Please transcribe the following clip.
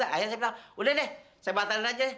akhirnya saya bilang udah deh saya batalin aja